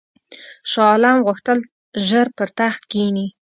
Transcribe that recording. شاه عالم غوښتل ژر پر تخت کښېني.